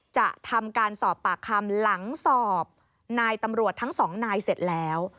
จะทำการสอบปากคำหลังสอบนายตำรวจทั้งสองนายเสร็จแล้ว